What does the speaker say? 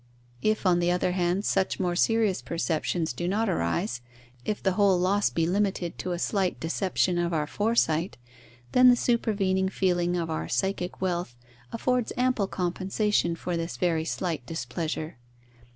If, on the other hand, such more serious perceptions do not arise, if the whole loss be limited to a slight deception of our foresight, then the supervening feeling of our psychic wealth affords ample compensation for this very slight displeasure.